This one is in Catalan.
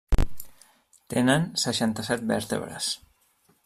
Tenen seixanta-set vèrtebres.